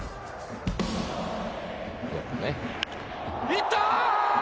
いった！